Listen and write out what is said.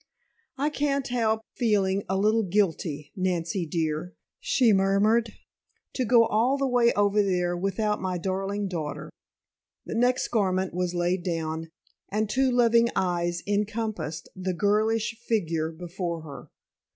"I can't help feeling a little guilty, Nancy dear," she murmured. "To go all the way over there without my darling daughter." The next garment was laid down, and two loving eyes encompassed the girlish figure before her.